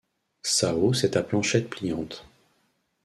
Sa hausse est à planchette pliante.